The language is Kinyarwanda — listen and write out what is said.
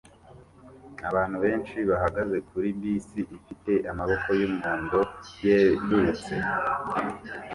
Abantu benshi bahagaze kuri bisi ifite amaboko yumuhondo yerurutse